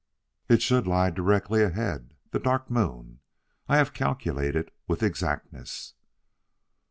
"It should lie directly ahead the Dark Moon. I have calculated with exactness."